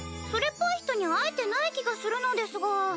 それっぽい人に会えてない気がするのですが。